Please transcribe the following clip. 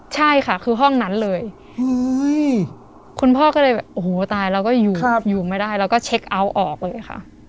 ใช่ค่ะคือห้องนั้นเลยคุณพ่อก็เลยแบบโอ้โหตายเราก็อยู่อยู่ไม่ได้เราก็เช็คเอาท์ออกเลยค่ะ